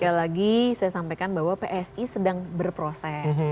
sekali lagi saya sampaikan bahwa psi sedang berproses